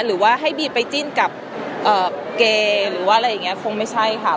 หรือว่าให้บีไปจิ้นกับเกย์หรือว่าอะไรอย่างนี้คงไม่ใช่ค่ะ